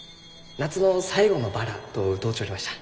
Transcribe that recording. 「夏の最後のバラ」と歌うちょりました。